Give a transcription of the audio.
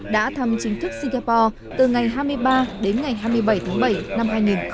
đã thăm chính thức singapore từ ngày hai mươi ba đến ngày hai mươi bảy tháng bảy năm hai nghìn một mươi chín